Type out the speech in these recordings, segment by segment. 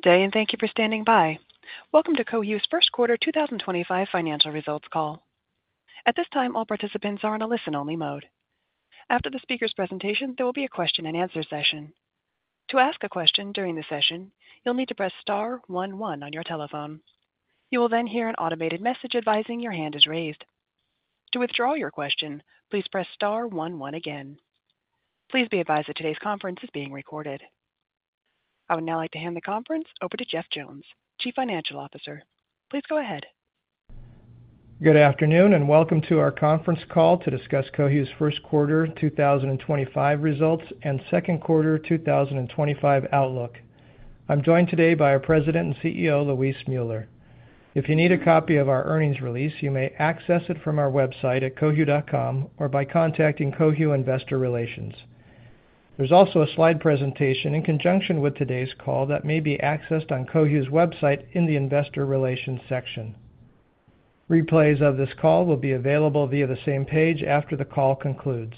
Good day, and thank you for standing by. Welcome to Cohu's first quarter 2025 financial results call. At this time, all participants are in a listen-only mode. After the speaker's presentation, there will be a question-and-answer session. To ask a question during the session, you'll need to press star one one on your telephone. You will then hear an automated message advising your hand is raised. To withdraw your question, please press star one one again. Please be advised that today's conference is being recorded. I would now like to hand the conference over to Jeff Jones, Chief Financial Officer. Please go ahead. Good afternoon, and welcome to our conference call to discuss Cohu's first quarter 2025 results and second quarter 2025 outlook. I'm joined today by our President and CEO, Luis Müller. If you need a copy of our earnings release, you may access it from our website at cohu.com or by contacting Cohu Investor Relations. There's also a slide presentation in conjunction with today's call that may be accessed on Cohu's website in the Investor Relations section. Replays of this call will be available via the same page after the call concludes.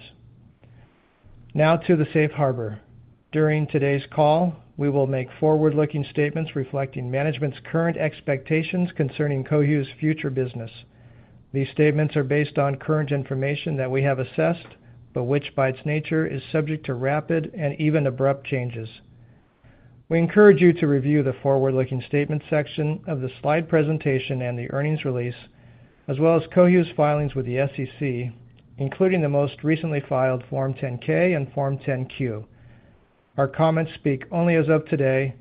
Now to the safe harbor. During today's call, we will make forward-looking statements reflecting management's current expectations concerning Cohu's future business. These statements are based on current information that we have assessed, but which, by its nature, is subject to rapid and even abrupt changes. We encourage you to review the forward-looking statement section of the slide presentation and the earnings release, as well as Cohu's filings with the SEC, including the most recently filed Form 10-K and Form 10-Q. Our comments speak only as of today,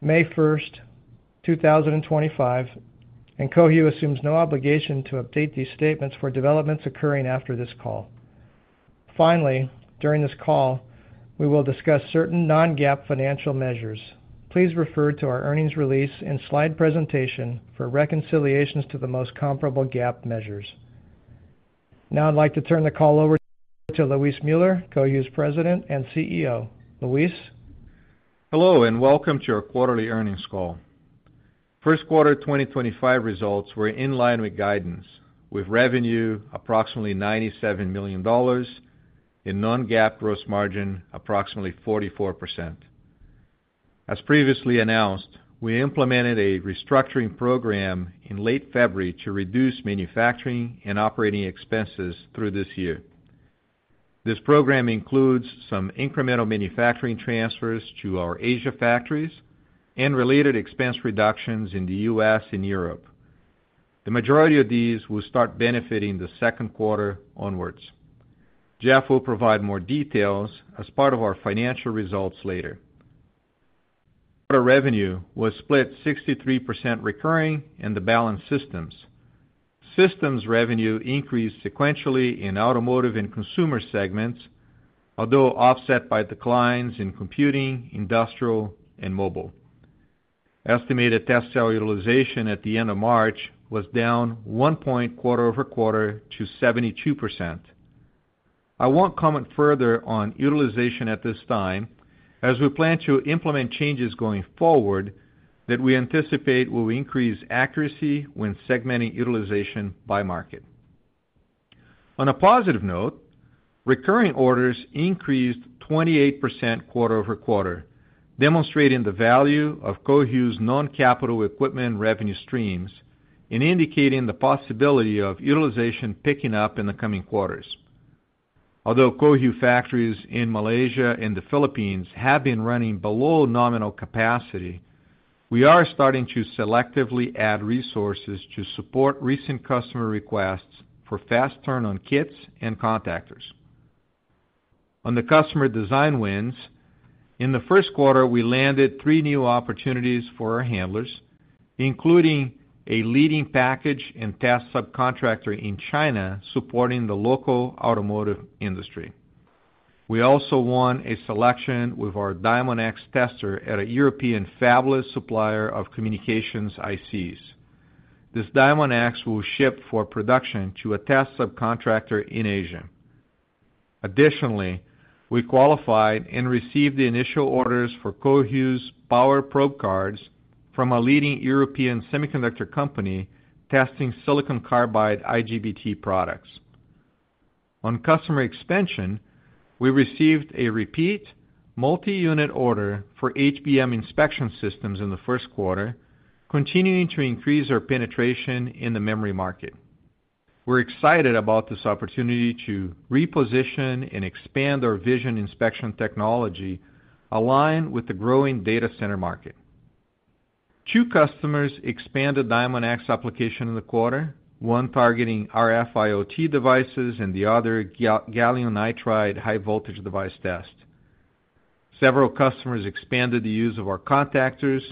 May 1st, 2025, and Cohu assumes no obligation to update these statements for developments occurring after this call. Finally, during this call, we will discuss certain non-GAAP financial measures. Please refer to our earnings release and slide presentation for reconciliations to the most comparable GAAP measures. Now I'd like to turn the call over to Luis Müller, Cohu's President and CEO. Luis? Hello, and welcome to our quarterly earnings call. First quarter 2025 results were in line with guidance, with revenue approximately $97 million and non-GAAP gross margin approximately 44%. As previously announced, we implemented a restructuring program in late February to reduce manufacturing and operating expenses through this year. This program includes some incremental manufacturing transfers to our Asia factories and related expense reductions in the U.S. and Europe. The majority of these will start benefiting the second quarter onwards. Jeff will provide more details as part of our financial results later. Quarter revenue was split 63% recurring and the balance systems. Systems revenue increased sequentially in automotive and consumer segments, although offset by declines in computing, industrial, and mobile. Estimated test cell utilization at the end of March was down 1 percentage point quarter over quarter to 72%. I won't comment further on utilization at this time, as we plan to implement changes going forward that we anticipate will increase accuracy when segmenting utilization by market. On a positive note, recurring orders increased 28% quarter over quarter, demonstrating the value of Cohu's non-capital equipment revenue streams and indicating the possibility of utilization picking up in the coming quarters. Although Cohu factories in Malaysia and the Philippines have been running below nominal capacity, we are starting to selectively add resources to support recent customer requests for fast turn-on kits and contactors. On the customer design wins, in the first quarter, we landed three new opportunities for our handlers, including a leading package and test subcontractor in China supporting the local automotive industry. We also won a selection with our DiamondX tester at a European fabless supplier of communications ICs. This DiamondX will ship for production to a test subcontractor in Asia. Additionally, we qualified and received the initial orders for Cohu's power probe cards from a leading European semiconductor company testing silicon carbide IGBT products. On customer expansion, we received a repeat multi-unit order for HBM inspection systems in the first quarter, continuing to increase our penetration in the memory market. We're excited about this opportunity to reposition and expand our vision inspection technology aligned with the growing data center market. Two customers expanded DiamondX application in the quarter, one targeting RF IoT devices and the other gallium nitride high-voltage device test. Several customers expanded the use of our contactors,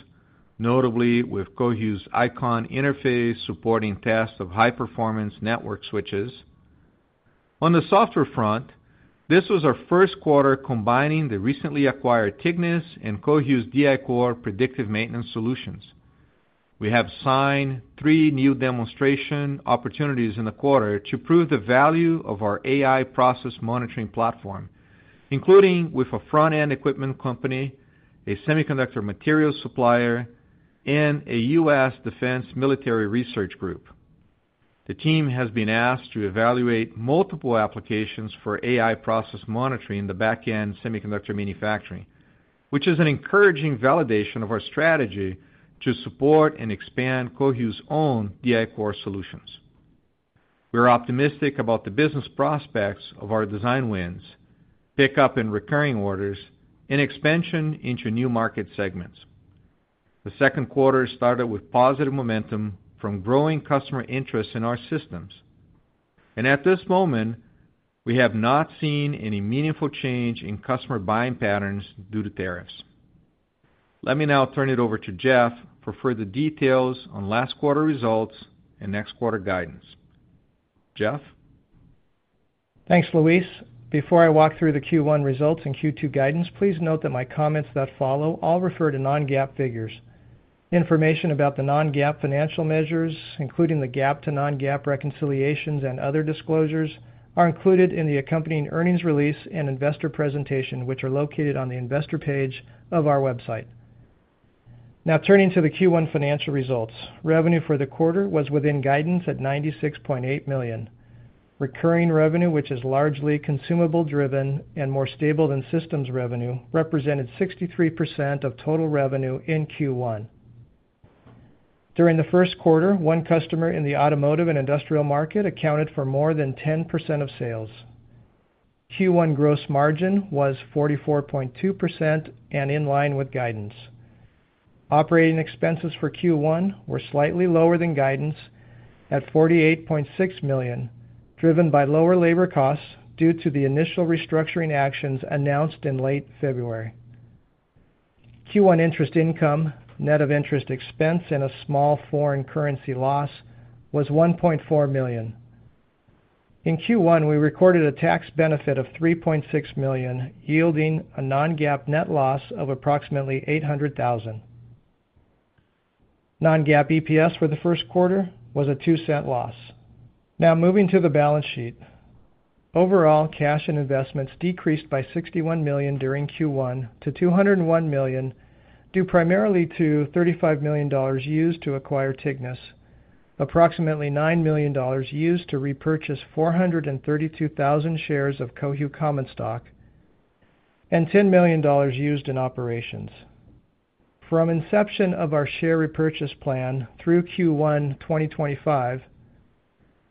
notably with Cohu's Icon interface supporting tests of high-performance network switches. On the software front, this was our first quarter combining the recently acquired Tignis and Cohu's DI Core predictive maintenance solutions. We have signed three new demonstration opportunities in the quarter to prove the value of our AI process monitoring platform, including with a front-end equipment company, a semiconductor materials supplier, and a U.S. defense military research group. The team has been asked to evaluate multiple applications for AI process monitoring in the back-end semiconductor manufacturing, which is an encouraging validation of our strategy to support and expand Cohu's own DI Core solutions. We're optimistic about the business prospects of our design wins, pickup in recurring orders, and expansion into new market segments. The second quarter started with positive momentum from growing customer interest in our systems. At this moment, we have not seen any meaningful change in customer buying patterns due to tariffs. Let me now turn it over to Jeff for further details on last quarter results and next quarter guidance. Jeff? Thanks, Luis. Before I walk through the Q1 results and Q2 guidance, please note that my comments that follow all refer to non-GAAP figures. Information about the non-GAAP financial measures, including the GAAP to non-GAAP reconciliations and other disclosures, are included in the accompanying earnings release and investor presentation, which are located on the investor page of our website. Now turning to the Q1 financial results, revenue for the quarter was within guidance at $96.8 million. Recurring revenue, which is largely consumable-driven and more stable than systems revenue, represented 63% of total revenue in Q1. During the first quarter, one customer in the automotive and industrial market accounted for more than 10% of sales. Q1 gross margin was 44.2% and in line with guidance. Operating expenses for Q1 were slightly lower than guidance at $48.6 million, driven by lower labor costs due to the initial restructuring actions announced in late February. Q1 interest income, net of interest expense, and a small foreign currency loss was $1.4 million. In Q1, we recorded a tax benefit of $3.6 million, yielding a non-GAAP net loss of approximately $800,000. Non-GAAP EPS for the first quarter was a $0.02 loss. Now moving to the balance sheet. Overall, cash and investments decreased by $61 million during Q1 to $201 million due primarily to $35 million used to acquire Tignis, approximately $9 million used to repurchase 432,000 shares of Cohu Common Stock, and $10 million used in operations. From inception of our share repurchase plan through Q1 2025,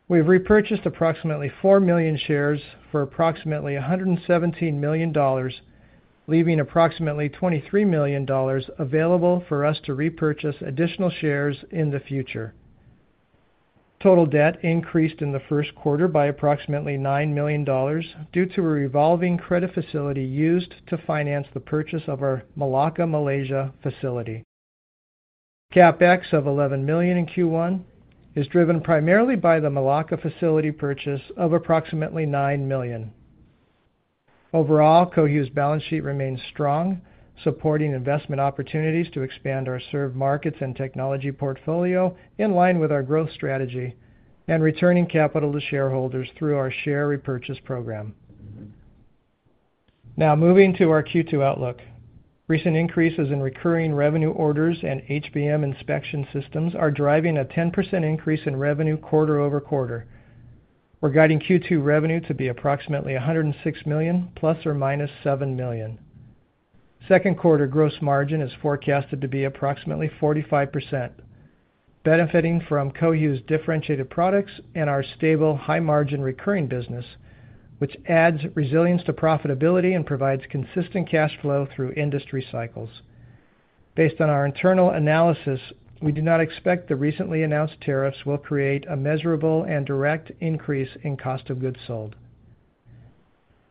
we've repurchased approximately 4 million shares for approximately $117 million, leaving approximately $23 million available for us to repurchase additional shares in the future. Total debt increased in the first quarter by approximately $9 million due to a revolving credit facility used to finance the purchase of our Melaka, Malaysia facility. CapEx of $11 million in Q1 is driven primarily by the Melaka facility purchase of approximately $9 million. Overall, Cohu's balance sheet remains strong, supporting investment opportunities to expand our serve markets and technology portfolio in line with our growth strategy and returning capital to shareholders through our share repurchase program. Now moving to our Q2 outlook. Recent increases in recurring revenue orders and HBM inspection systems are driving a 10% increase in revenue quarter over quarter. We're guiding Q2 revenue to be approximately $106 million, plus or minus $7 million. Second quarter gross margin is forecasted to be approximately 45%, benefiting from Cohu's differentiated products and our stable, high-margin recurring business, which adds resilience to profitability and provides consistent cash flow through industry cycles. Based on our internal analysis, we do not expect the recently announced tariffs will create a measurable and direct increase in cost of goods sold.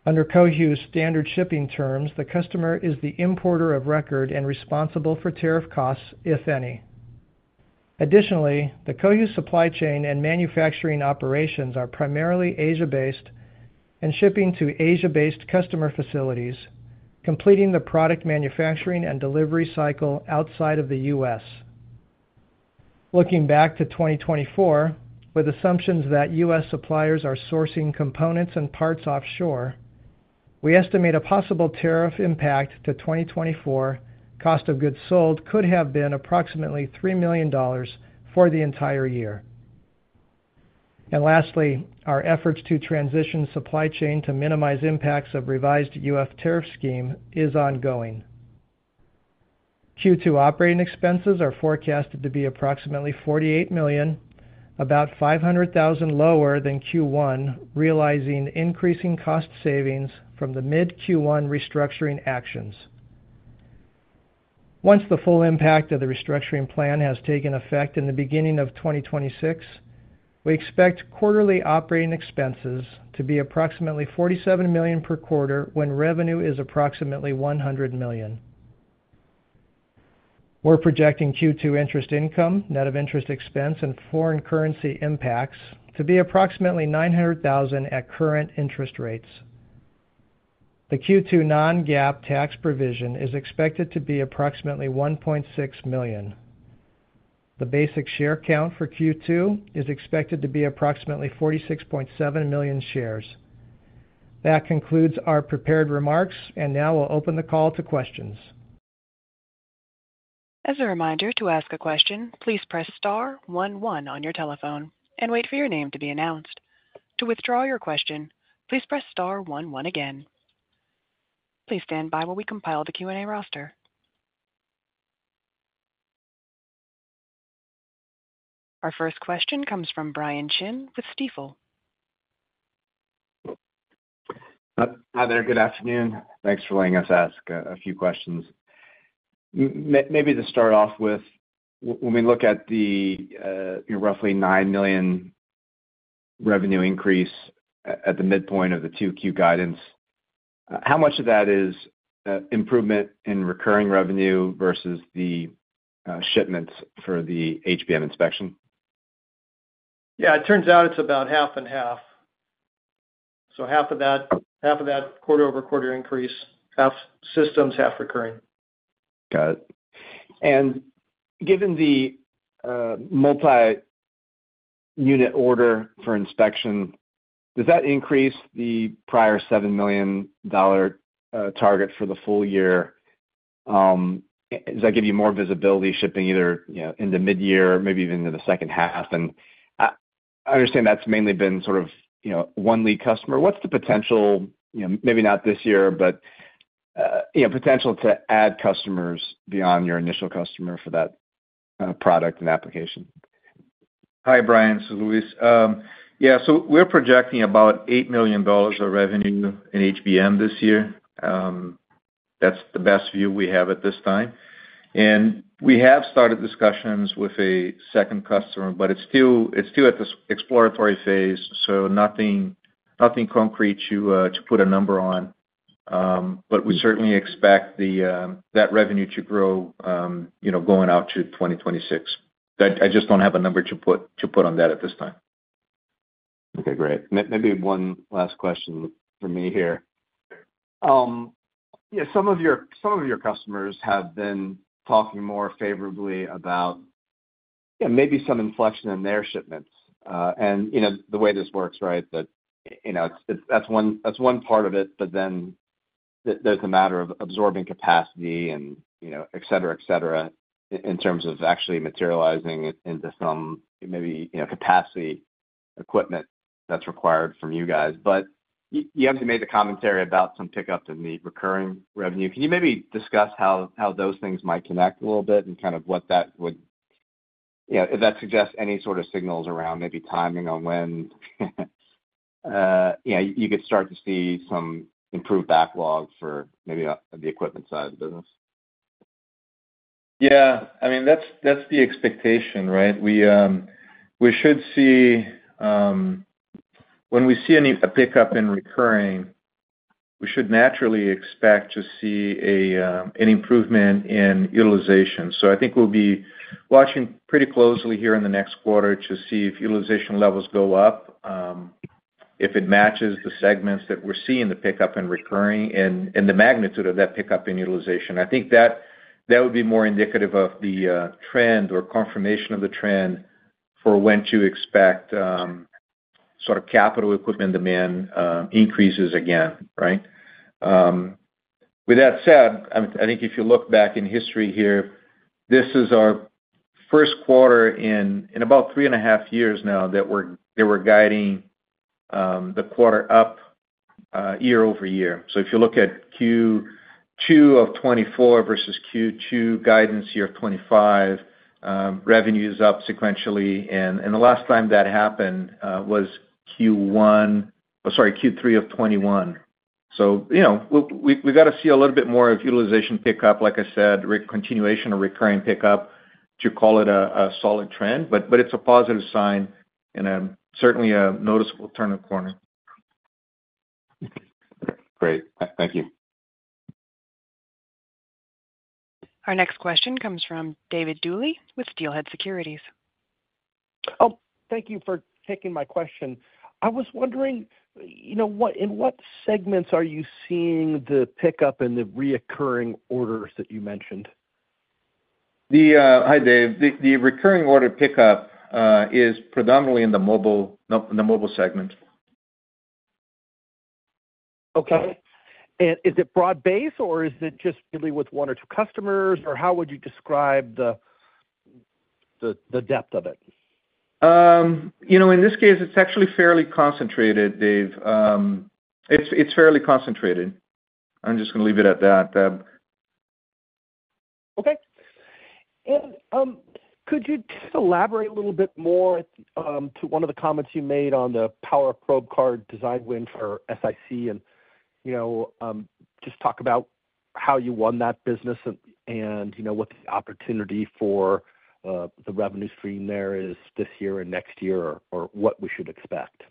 Under Cohu's standard shipping terms, the customer is the importer of record and responsible for tariff costs, if any. Additionally, the Cohu supply chain and manufacturing operations are primarily Asia-based and shipping to Asia-based customer facilities, completing the product manufacturing and delivery cycle outside of the U.S. Looking back to 2024, with assumptions that U.S. Suppliers are sourcing components and parts offshore, we estimate a possible tariff impact to 2024 cost of goods sold could have been approximately $3 million for the entire year. Lastly, our efforts to transition supply chain to minimize impacts of revised U.S. tariff scheme is ongoing. Q2 operating expenses are forecasted to be approximately $48 million, about $500,000 lower than Q1, realizing increasing cost savings from the mid-Q1 restructuring actions. Once the full impact of the restructuring plan has taken effect in the beginning of 2026, we expect quarterly operating expenses to be approximately $47 million per quarter when revenue is approximately $100 million. We are projecting Q2 interest income, net of interest expense, and foreign currency impacts to be approximately $900,000 at current interest rates. The Q2 non-GAAP tax provision is expected to be approximately $1.6 million. The basic share count for Q2 is expected to be approximately 46.7 million shares. That concludes our prepared remarks, and now we'll open the call to questions. As a reminder, to ask a question, please press star one one on your telephone and wait for your name to be announced. To withdraw your question, please press star 11 again. Please stand by while we compile the Q&A roster. Our first question comes from Brian Chin with Stifel. Hi there. Good afternoon. Thanks for letting us ask a few questions. Maybe to start off with, when we look at the roughly $9 million revenue increase at the midpoint of the 2Q guidance, how much of that is improvement in recurring revenue versus the shipments for the HBM inspection? Yeah, it turns out it's about half and half. Half of that quarter over quarter increase, half systems, half recurring. Got it. Given the multi-unit order for inspection, does that increase the prior $7 million target for the full year? Does that give you more visibility shipping either into mid-year or maybe even into the second half? I understand that's mainly been sort of one lead customer. What's the potential, maybe not this year, but potential to add customers beyond your initial customer for that product and application? Hi, Brian. This is Luis. Yeah, so we're projecting about $8 million of revenue in HBM this year. That's the best view we have at this time. We have started discussions with a second customer, but it's still at the exploratory phase, so nothing concrete to put a number on. We certainly expect that revenue to grow going out to 2026. I just don't have a number to put on that at this time. Okay, great. Maybe one last question for me here. Yeah, some of your customers have been talking more favorably about maybe some inflection in their shipments. The way this works, right, that's one part of it, but then there's a matter of absorbing capacity and etc., etc., in terms of actually materializing into some maybe capacity equipment that's required from you guys. You have made the commentary about some pickup in the recurring revenue. Can you maybe discuss how those things might connect a little bit and kind of what that would, if that suggests any sort of signals around maybe timing on when you could start to see some improved backlog for maybe the equipment side of the business? Yeah. I mean, that's the expectation, right? When we see a pickup in recurring, we should naturally expect to see an improvement in utilization. I think we'll be watching pretty closely here in the next quarter to see if utilization levels go up, if it matches the segments that we're seeing the pickup in recurring and the magnitude of that pickup in utilization. I think that would be more indicative of the trend or confirmation of the trend for when to expect sort of capital equipment demand increases again, right? With that said, I think if you look back in history here, this is our first quarter in about three and a half years now that we're guiding the quarter up year over year. If you look at Q2 of 2024 versus Q2 guidance year of 2025, revenues up sequentially. The last time that happened was Q1, sorry, Q3 of 2021. We have to see a little bit more of utilization pickup, like I said, continuation of recurring pickup to call it a solid trend, but it is a positive sign and certainly a noticeable turn of the corner. Great. Thank you. Our next question comes from David Dooley with Steelhead Securities. Oh, thank you for taking my question. I was wondering in what segments are you seeing the pickup in the reoccurring orders that you mentioned? Hi, Dave. The recurring order pickup is predominantly in the mobile segment. Okay. Is it broad-based or is it just really with one or two customers or how would you describe the depth of it? In this case, it's actually fairly concentrated, Dave. It's fairly concentrated. I'm just going to leave it at that. Okay. Could you elaborate a little bit more to one of the comments you made on the power probe card design win for SiC and just talk about how you won that business and what the opportunity for the revenue stream there is this year and next year or what we should expect?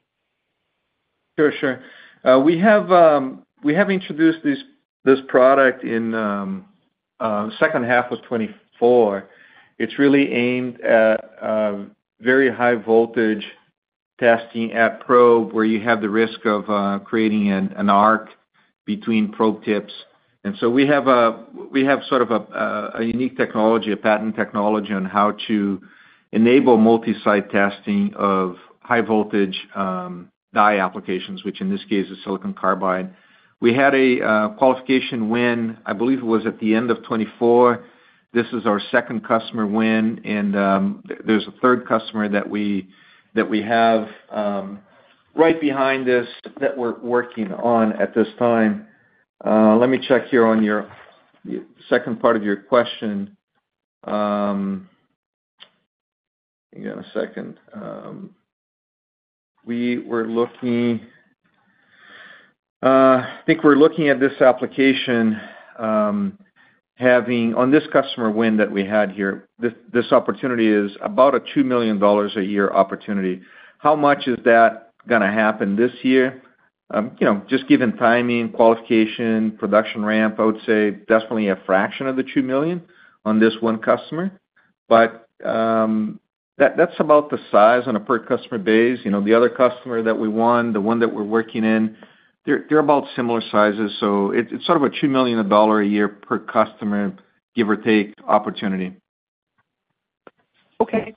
Sure, sure. We have introduced this product in the second half of 2024. It's really aimed at very high voltage testing at probe where you have the risk of creating an arc between probe tips. We have sort of a unique technology, a patent technology on how to enable multi-site testing of high-voltage die applications, which in this case is silicon carbide. We had a qualification win, I believe it was at the end of 2024. This is our second customer win and there's a third customer that we have right behind us that we're working on at this time. Let me check here on your second part of your question. Give me a second. I think we're looking at this application having on this customer win that we had here, this opportunity is about a $2 million a year opportunity. How much is that going to happen this year? Just given timing, qualification, production ramp, I would say definitely a fraction of the $2 million on this one customer. That is about the size on a per customer base. The other customer that we won, the one that we are working in, they are about similar sizes. It is sort of a $2 million a year per customer, give or take opportunity. Okay.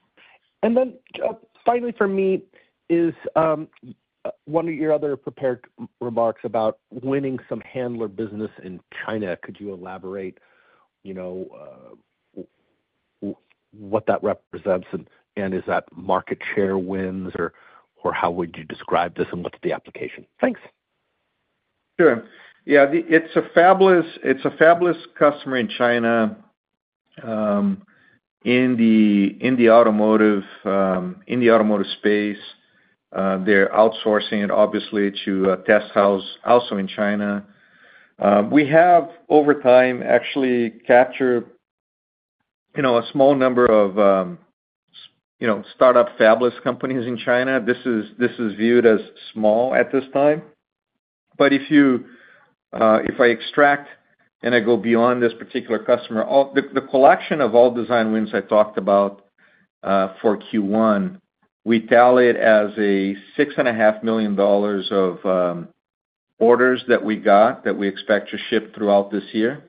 Finally for me is one of your other prepared remarks about winning some handler business in China. Could you elaborate what that represents and is that market share wins or how would you describe this and what's the application? Thanks. Sure. Yeah. It's a fabless customer in China in the automotive space. They're outsourcing it obviously to a test house also in China. We have over time actually captured a small number of startup fabless companies in China. This is viewed as small at this time. If I extract and I go beyond this particular customer, the collection of all design wins I talked about for Q1, we tally it as $6.5 million of orders that we got that we expect to ship throughout this year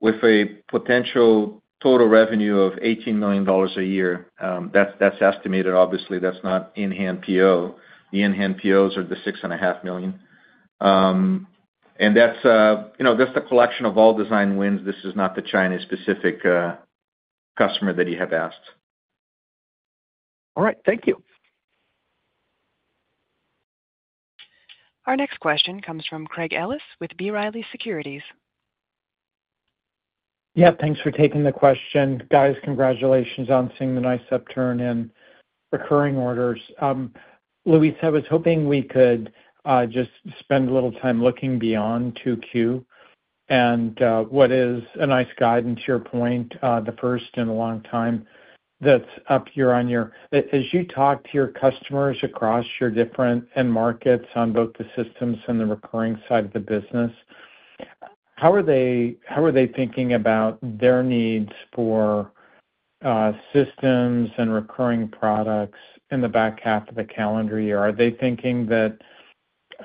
with a potential total revenue of $18 million a year. That's estimated, obviously. That's not in-hand PO. The in-hand POs are the $6.5 million. That's the collection of all design wins. This is not the China-specific customer that you have asked. All right. Thank you. Our next question comes from Craig Ellis with B. Riley Securities. Yeah, thanks for taking the question. Guys, congratulations on seeing the nice upturn in recurring orders. Luis, I was hoping we could just spend a little time looking beyond 2Q and what is a nice guide and to your point, the first in a long time that's up here on your, as you talk to your customers across your different end markets on both the systems and the recurring side of the business, how are they thinking about their needs for systems and recurring products in the back half of the calendar year? Are they thinking that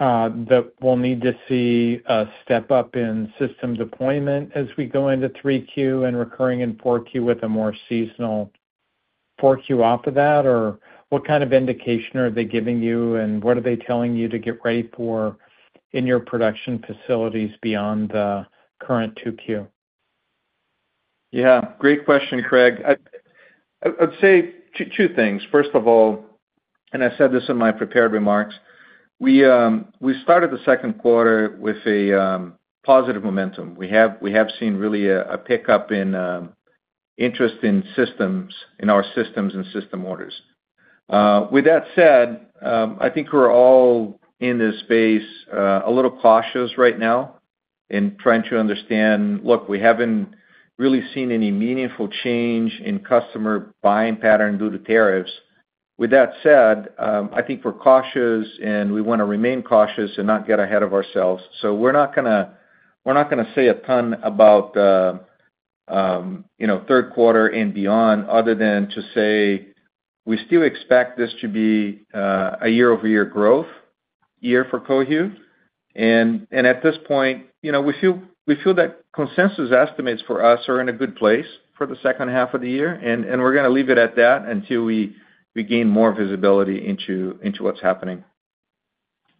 we'll need to see a step up in system deployment as we go into 3Q and recurring in 4Q with a more seasonal 4Q off of that? What kind of indication are they giving you and what are they telling you to get ready for in your production facilities beyond the current 2Q? Yeah. Great question, Craig. I'd say two things. First of all, and I said this in my prepared remarks, we started the second quarter with a positive momentum. We have seen really a pickup in interest in systems, in our systems and system orders. With that said, I think we're all in this space a little cautious right now in trying to understand, look, we haven't really seen any meaningful change in customer buying pattern due to tariffs. With that said, I think we're cautious and we want to remain cautious and not get ahead of ourselves. We are not going to say a ton about third quarter and beyond other than to say we still expect this to be a year-over-year growth year for Cohu. At this point, we feel that consensus estimates for us are in a good place for the second half of the year. We're going to leave it at that until we gain more visibility into what's happening.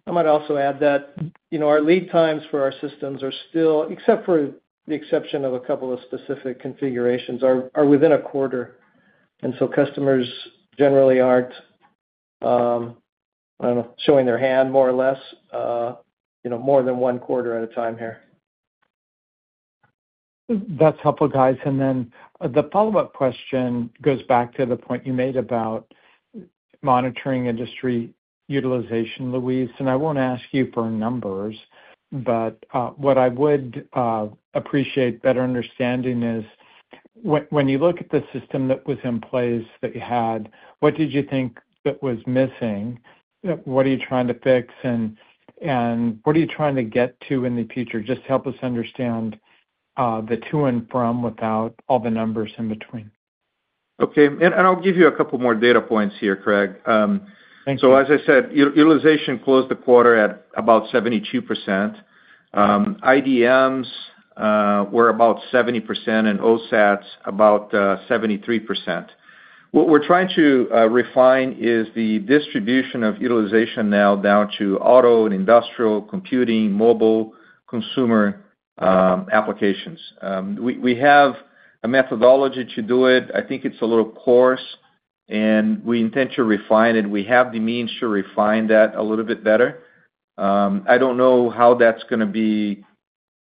I might also add that our lead times for our systems are still, except for the exception of a couple of specific configurations, are within a quarter. Customers generally aren't, I don't know, showing their hand more or less, more than one quarter at a time here. That's helpful, guys. The follow-up question goes back to the point you made about monitoring industry utilization, Luis. I won't ask you for numbers, but what I would appreciate better understanding is when you look at the system that was in place that you had, what did you think that was missing? What are you trying to fix? What are you trying to get to in the future? Just help us understand the to and from without all the numbers in between. Okay. I'll give you a couple more data points here, Craig. Thank you. As I said, utilization closed the quarter at about 72%. IDMs were about 70% and OSATs about 73%. What we're trying to refine is the distribution of utilization now down to auto and industrial, computing, mobile, consumer applications. We have a methodology to do it. I think it's a little coarse, and we intend to refine it. We have the means to refine that a little bit better. I don't know how that's going to be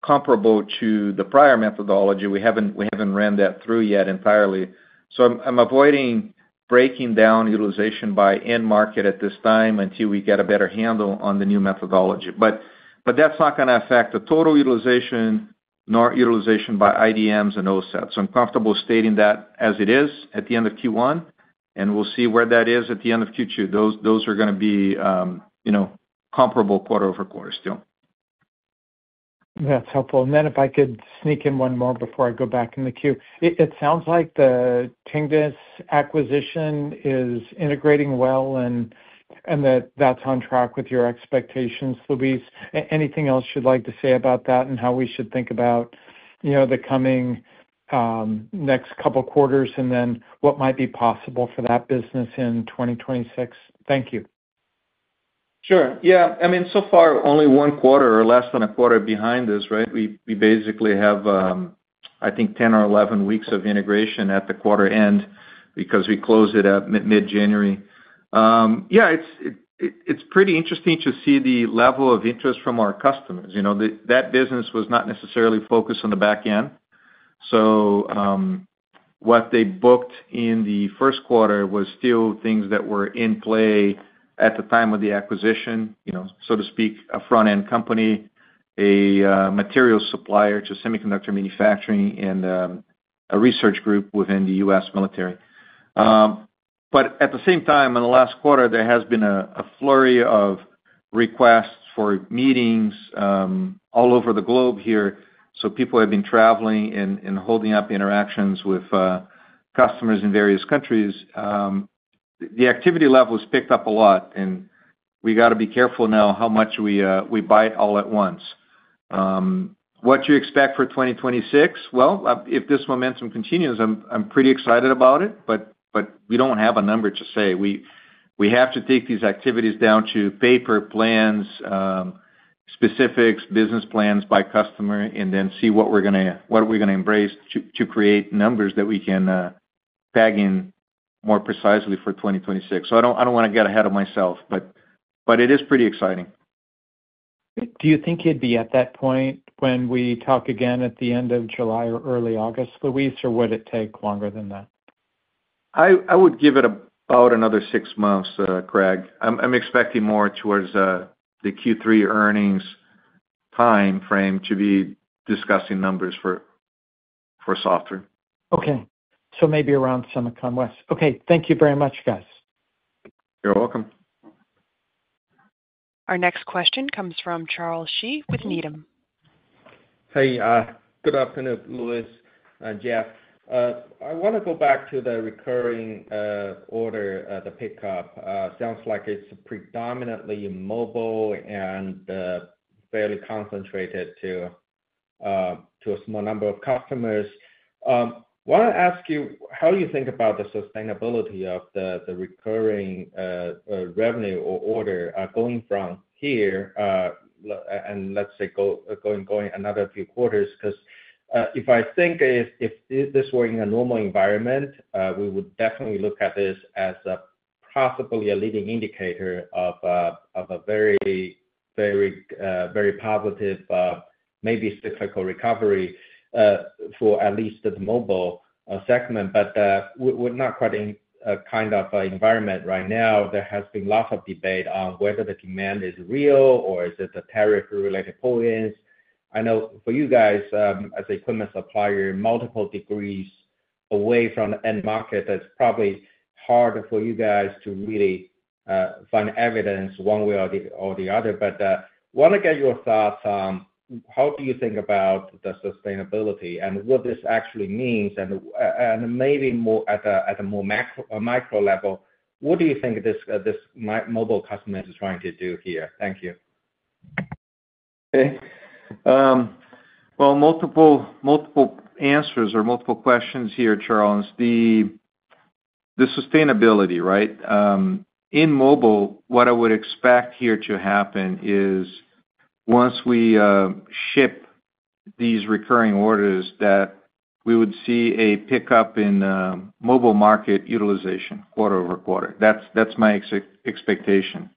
comparable to the prior methodology. We haven't ran that through yet entirely. I'm avoiding breaking down utilization by end market at this time until we get a better handle on the new methodology. That's not going to affect the total utilization, nor utilization by IDMs and OSATs. I'm comfortable stating that as it is at the end of Q1, and we'll see where that is at the end of Q2. Those are going to be comparable quarter over quarter still. That's helpful. If I could sneak in one more before I go back in the queue. It sounds like the Tignis acquisition is integrating well and that that's on track with your expectations, Luis. Anything else you'd like to say about that and how we should think about the coming next couple of quarters and then what might be possible for that business in 2026? Thank you. Sure. Yeah. I mean, so far only one quarter or less than a quarter behind us, right? We basically have, I think, 10 or 11 weeks of integration at the quarter end because we close it at mid-January. Yeah, it's pretty interesting to see the level of interest from our customers. That business was not necessarily focused on the back end. What they booked in the first quarter was still things that were in play at the time of the acquisition, so to speak, a front-end company, a material supplier to semiconductor manufacturing, and a research group within the U.S. military. At the same time, in the last quarter, there has been a flurry of requests for meetings all over the globe here. People have been traveling and holding up interactions with customers in various countries. The activity level has picked up a lot, and we got to be careful now how much we bite all at once. What do you expect for 2026? If this momentum continues, I'm pretty excited about it, but we don't have a number to say. We have to take these activities down to paper plans, specifics, business plans by customer, and then see what we're going to embrace to create numbers that we can tag in more precisely for 2026. I don't want to get ahead of myself, but it is pretty exciting. Do you think you'd be at that point when we talk again at the end of July or early August, Luis, or would it take longer than that? I would give it about another six months, Craig. I'm expecting more towards the Q3 earnings time frame to be discussing numbers for software. Okay. Maybe around summertime west. Okay. Thank you very much, guys. You're welcome. Our next question comes from Charles Sheehy with Needham. Hey, good afternoon, Luis, Jeff. I want to go back to the recurring order, the pickup. Sounds like it's predominantly mobile and fairly concentrated to a small number of customers. I want to ask you, how do you think about the sustainability of the recurring revenue or order going from here and let's say going another few quarters? Because if I think if this were in a normal environment, we would definitely look at this as possibly a leading indicator of a very, very positive, maybe cyclical recovery for at least the mobile segment. We are not quite in a kind of environment right now. There has been lots of debate on whether the demand is real or is it the tariff-related points. I know for you guys as a equipment supplier, multiple degrees away from the end market, that's probably hard for you guys to really find evidence one way or the other. I want to get your thoughts. How do you think about the sustainability and what this actually means? Maybe more at a more micro level, what do you think this mobile customer is trying to do here? Thank you. Okay. Multiple answers or multiple questions here, Charles. The sustainability, right? In mobile, what I would expect here to happen is once we ship these recurring orders, that we would see a pickup in mobile market utilization quarter over quarter. That's my expectation.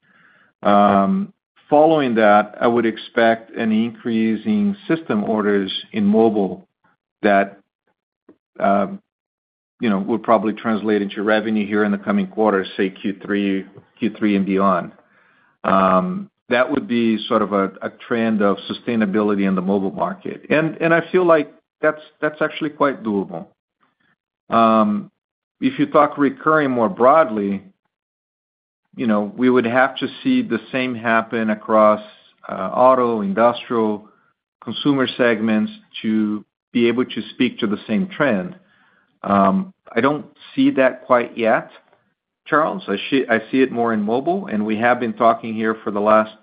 Following that, I would expect an increase in system orders in mobile that would probably translate into revenue here in the coming quarter, say Q3 and beyond. That would be sort of a trend of sustainability in the mobile market. I feel like that's actually quite doable. If you talk recurring more broadly, we would have to see the same happen across auto, industrial, consumer segments to be able to speak to the same trend. I don't see that quite yet, Charles. I see it more in mobile. We have been talking here for the last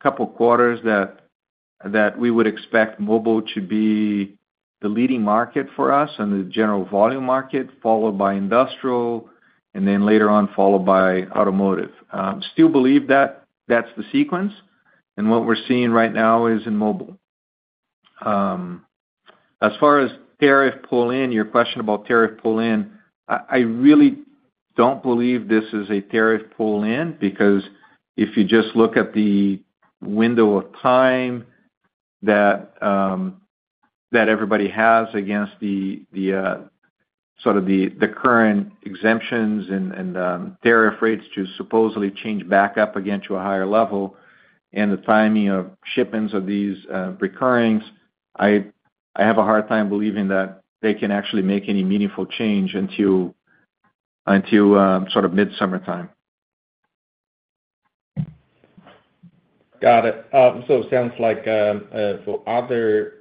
couple of quarters that we would expect mobile to be the leading market for us and the general volume market, followed by industrial, and then later on followed by automotive. I still believe that that's the sequence. What we're seeing right now is in mobile. As far as tariff pull-in, your question about tariff pull-in, I really don't believe this is a tariff pull-in because if you just look at the window of time that everybody has against sort of the current exemptions and tariff rates to supposedly change back up again to a higher level and the timing of shipments of these recurrings, I have a hard time believing that they can actually make any meaningful change until sort of mid-summertime. Got it. It sounds like for other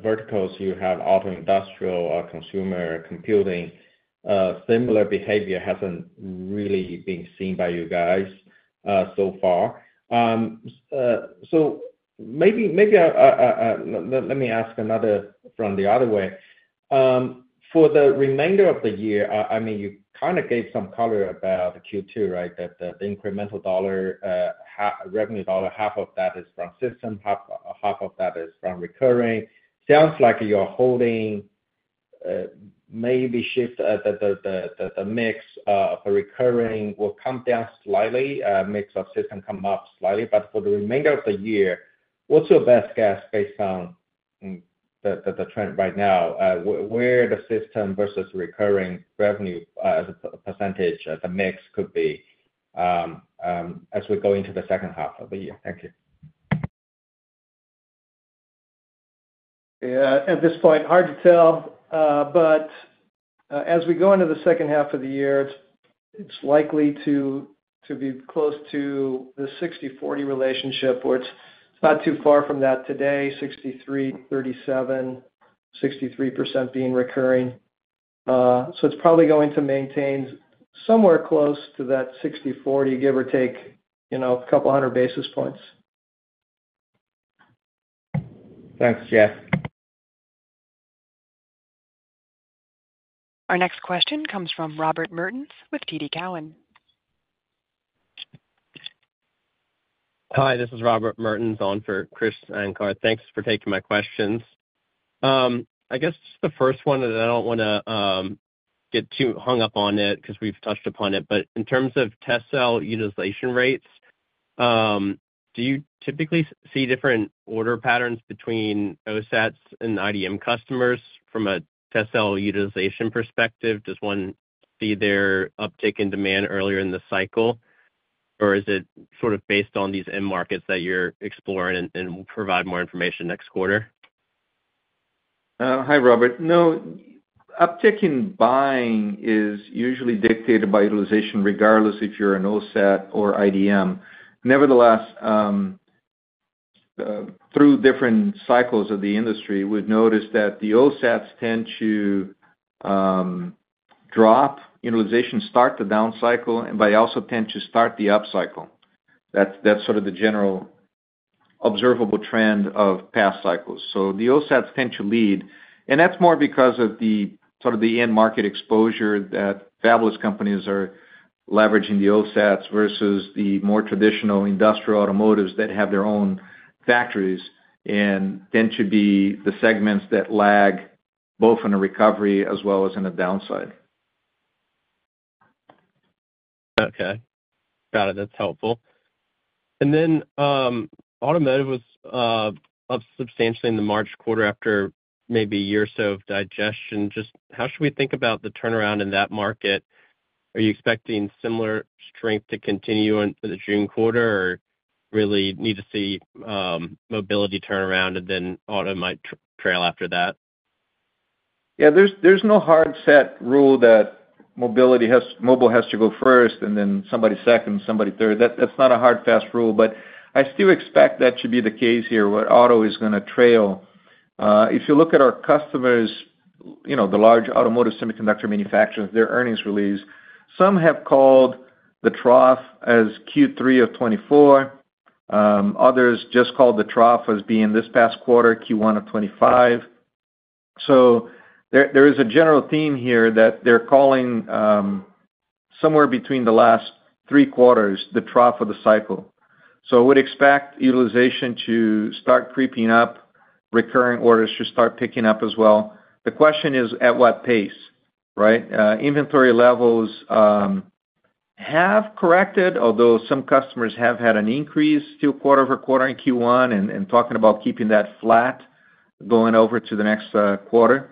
verticals, you have auto, industrial, consumer, computing. Similar behavior has not really been seen by you guys so far. Maybe let me ask another from the other way. For the remainder of the year, I mean, you kind of gave some color about Q2, right? The incremental dollar, revenue dollar, half of that is from system, half of that is from recurring. It sounds like you are holding, maybe the mix of recurring will come down slightly, mix of system come up slightly. For the remainder of the year, what is your best guess based on the trend right now? Where the system versus recurring revenue as a percentage, the mix could be as we go into the second half of the year? Thank you. Yeah. At this point, hard to tell. As we go into the second half of the year, it's likely to be close to the 60/40 relationship, where it's not too far from that today, 63/37, 63% being recurring. It's probably going to maintain somewhere close to that 60/40, give or take a couple hundred basis points. Thanks, Jeff. Our next question comes from Robert Mertens with TD Cowen. Hi, this is Robert Mertens on for Chris Ancor. Thanks for taking my questions. I guess the first one is I don't want to get too hung up on it because we've touched upon it. In terms of test cell utilization rates, do you typically see different order patterns between OSATs and IDM customers from a test cell utilization perspective? Does one see their uptick in demand earlier in the cycle, or is it sort of based on these end markets that you're exploring and will provide more information next quarter? Hi, Robert. No, uptick in buying is usually dictated by utilization regardless if you're an OSAT or IDM. Nevertheless, through different cycles of the industry, we've noticed that the OSATs tend to drop, utilization start the down cycle, and they also tend to start the up cycle. That's sort of the general observable trend of past cycles. The OSATs tend to lead. That is more because of the sort of the end market exposure that fabless companies are leveraging the OSATs versus the more traditional industrial automotives that have their own factories and tend to be the segments that lag both in a recovery as well as in a downside. Okay. Got it. That's helpful. Then automotive was up substantially in the March quarter after maybe a year or so of digestion. Just how should we think about the turnaround in that market? Are you expecting similar strength to continue in the June quarter, or really need to see mobility turnaround and then auto might trail after that? Yeah. There is no hard set rule that mobile has to go first and then somebody second, somebody third. That is not a hard fast rule. I still expect that to be the case here, what auto is going to trail. If you look at our customers, the large automotive semiconductor manufacturers, their earnings release, some have called the trough as Q3 of 2024. Others just called the trough as being this past quarter, Q1 of 2025. There is a general theme here that they are calling somewhere between the last three quarters, the trough of the cycle. I would expect utilization to start creeping up, recurring orders to start picking up as well. The question is at what pace, right? Inventory levels have corrected, although some customers have had an increase to a quarter over quarter in Q1 and talking about keeping that flat going over to the next quarter.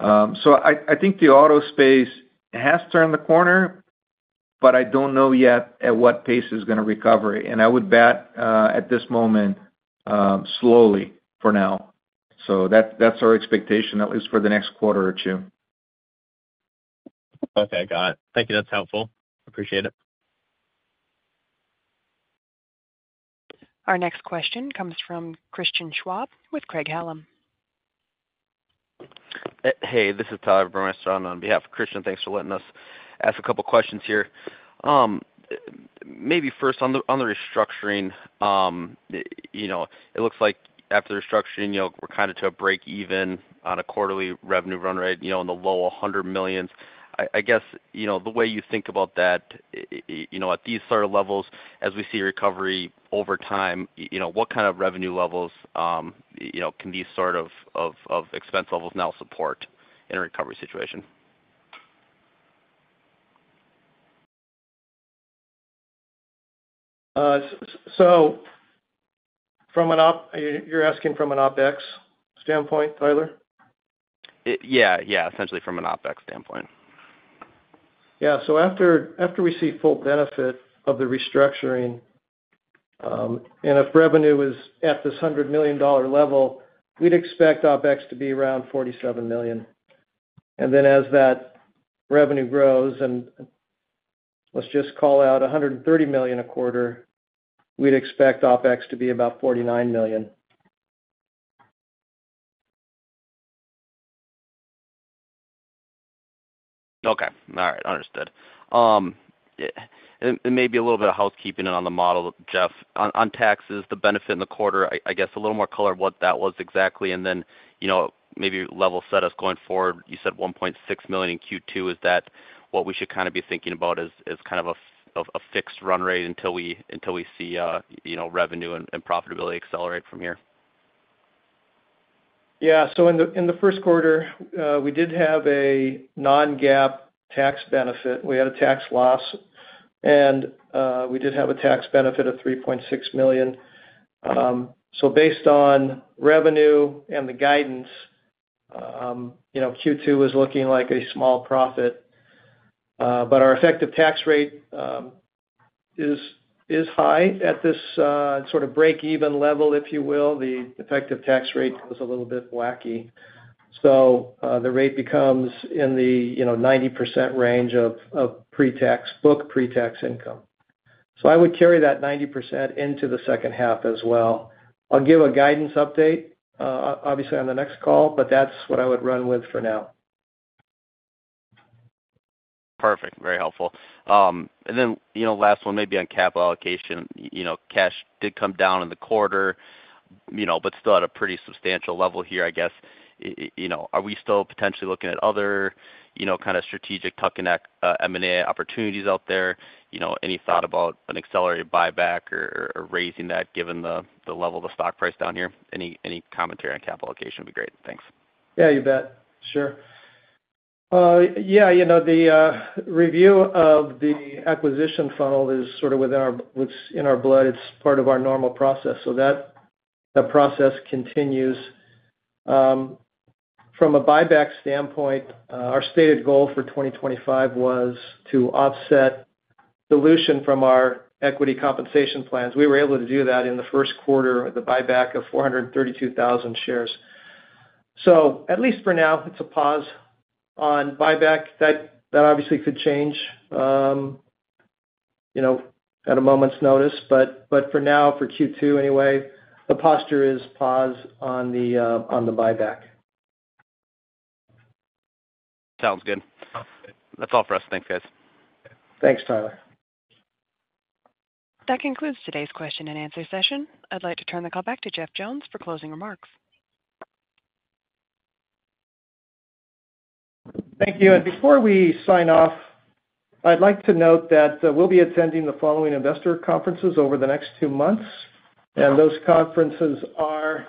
I think the auto space has turned the corner, but I don't know yet at what pace it's going to recover. I would bet at this moment slowly for now. That's our expectation, at least for the next quarter or two. Okay. Got it. Thank you. That's helpful. Appreciate it. Our next question comes from Christian Schwab with Craig Hallum. Hey, this is Todd Bohmester on behalf of Christian. Thanks for letting us ask a couple of questions here. Maybe first on the restructuring, it looks like after the restructuring, we're kind of to a break-even on a quarterly revenue run, right? In the low $100 million. I guess the way you think about that, at these sort of levels, as we see recovery over time, what kind of revenue levels can these sort of expense levels now support in a recovery situation? You're asking from an OpEx standpoint, Tyler? Yeah. Yeah. Essentially from an OpEx standpoint. Yeah. After we see full benefit of the restructuring, and if revenue is at this $100 million level, we'd expect OpEx to be around $47 million. As that revenue grows and let's just call out $130 million a quarter, we'd expect OpEx to be about $49 million. Okay. All right. Understood. Maybe a little bit of housekeeping on the model, Jeff, on taxes, the benefit in the quarter, I guess a little more color what that was exactly. Maybe level set us going forward. You said $1.6 million in Q2. Is that what we should kind of be thinking about as kind of a fixed run rate until we see revenue and profitability accelerate from here? Yeah. In the first quarter, we did have a non-GAAP tax benefit. We had a tax loss, and we did have a tax benefit of $3.6 million. Based on revenue and the guidance, Q2 was looking like a small profit. Our effective tax rate is high at this sort of break-even level, if you will. The effective tax rate was a little bit wacky. The rate becomes in the 90% range of book pretax income. I would carry that 90% into the second half as well. I'll give a guidance update, obviously, on the next call, but that's what I would run with for now. Perfect. Very helpful. Last one, maybe on capital allocation. Cash did come down in the quarter, but still at a pretty substantial level here, I guess. Are we still potentially looking at other kind of strategic tucking M&A opportunities out there? Any thought about an accelerated buyback or raising that given the level of the stock price down here? Any commentary on capital allocation would be great. Thanks. Yeah. You bet. Sure. Yeah. The review of the acquisition funnel is sort of within our blood. It's part of our normal process. That process continues. From a buyback standpoint, our stated goal for 2025 was to offset dilution from our equity compensation plans. We were able to do that in the first quarter with the buyback of 432,000 shares. At least for now, it's a pause on buyback. That obviously could change at a moment's notice. For now, for Q2 anyway, the posture is pause on the buyback. Sounds good. That's all for us. Thanks, guys. Thanks, Tyler. That concludes today's question and answer session. I'd like to turn the call back to Jeff Jones for closing remarks. Thank you. Before we sign off, I'd like to note that we'll be attending the following investor conferences over the next two months. Those conferences are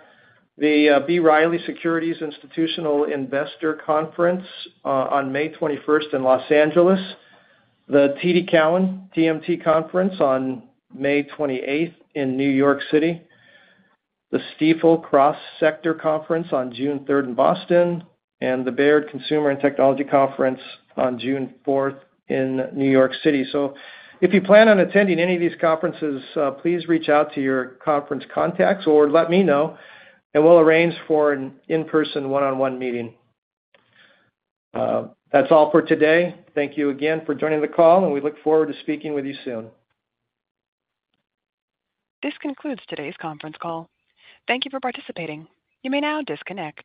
the B. Riley Securities Institutional Investor Conference on May 21 in Los Angeles, the TD Cowen TMT Conference on May 28 in New York City, the Stifel Cross Sector Conference on June 3 in Boston, and the Baird Consumer and Technology Conference on June 4 in New York City. If you plan on attending any of these conferences, please reach out to your conference contacts or let me know, and we'll arrange for an in-person one-on-one meeting. That's all for today. Thank you again for joining the call, and we look forward to speaking with you soon. This concludes today's conference call. Thank you for participating. You may now disconnect.